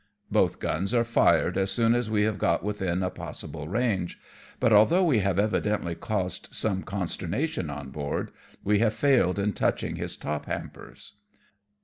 Both guns are fired as soon as we have got within E 2 52 AMONG TYPHOONS AND PIRATE CRAFT. a possible range^ but, although we have evidently caused some consternation on board, we have failed in touching his top hampers.